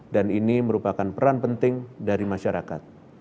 dan ini merupakan peran penting dari masyarakat